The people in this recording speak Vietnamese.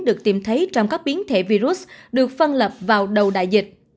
được tìm thấy trong các biến thể virus được phân lập vào đầu đại dịch